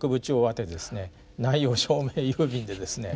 内容証明郵便でですね